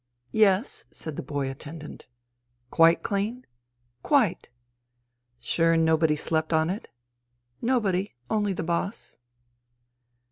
" Yes," said the boy attendant. " Quite clean ?"" Quite." " Sure nobody slept on it ?"" Nobody. Only the boss."